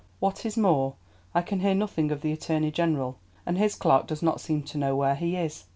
"What is more, I can hear nothing of the Attorney General, and his clerk does not seem to know where he is.